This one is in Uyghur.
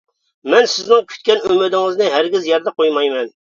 مەن سىزنىڭ كۈتكەن ئۈمىدىڭىزنى ھەرگىز يەردە قويمايمەن!